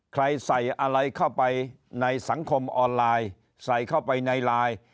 ใครใส่อะไรเข้าไปในสังคมออนไลน์ใส่เข้าไปในไลน์